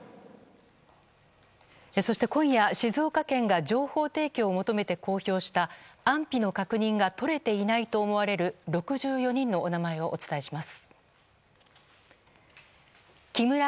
そして、今夜静岡県が情報提供を求めて公表した、安否の確認が取れていないと思われる６４人のお名前をお伝えします。